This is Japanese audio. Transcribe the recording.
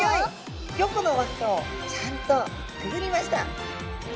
５個の輪っかをちゃんとくぐりました。